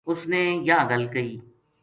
اس نے یاہ گل کہی